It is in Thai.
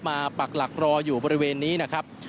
ปักหลักรออยู่บริเวณนี้นะครับ